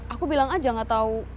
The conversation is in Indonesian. aku bilang aja gak tau